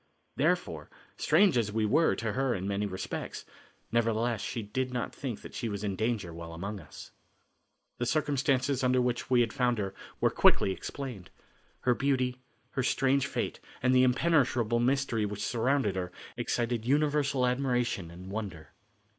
Therefore, strange as we were to her in many respects, nevertheless she did not think that she was in danger while among us. The circumstances under which we had found her were quickly explained. Her beauty, her strange fate and the impenetrable mystery which surrounded her excited universal admiration and wonder.